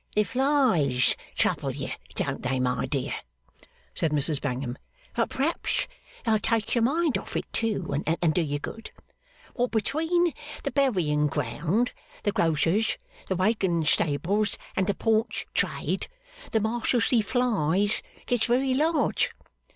'The flies trouble you, don't they, my dear?' said Mrs Bangham. 'But p'raps they'll take your mind off of it, and do you good. What between the buryin ground, the grocer's, the waggon stables, and the paunch trade, the Marshalsea flies gets very large.